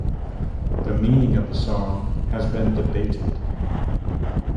The meaning of the song has been debated.